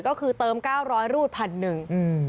ก็คือเติม๙๐๐รูดพันหนึ่ง